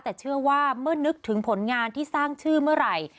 แต่เชื่อว่าเมื่อนึกถึงผลงานที่สร้างชื่อเมื่อไหร่